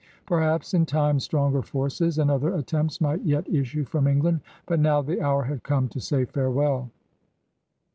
Perhaps in time stronger forces and other attempts might yet issue from En^and. But now the hour had come to say farewell